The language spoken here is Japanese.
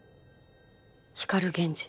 光源氏。